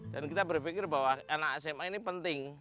dan kita berpikir bahwa anak sma ini penting